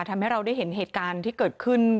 ทำให้เราได้เห็นเหตุการณ์ที่เกิดขึ้น